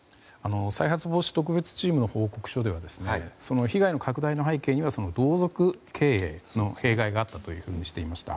再発防止特別チームの報告書では被害の拡大の背景には同族経営の弊害があったというふうにしていました。